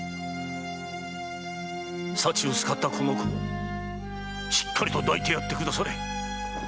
幸薄かったこの子をしっかりと抱いてやってくだされ！